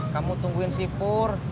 kamu tungguin sipur